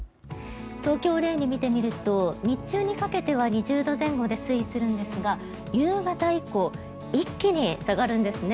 東京を例に見てみると日中にかけては２０度前後で推移するんですが夕方以降一気に下がるんですね。